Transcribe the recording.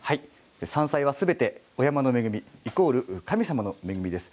山菜はすべてお山の恵みイコール神様の恵みです。